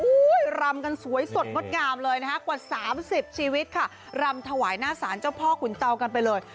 รำกันสวยสดงดงามเลยนะคะกว่า๓๐ชีวิตค่ะรำถวายหน้าศาลเจ้าพ่อขุนเตากันไปเลย